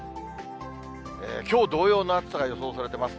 きょう同様の暑さが予想されています。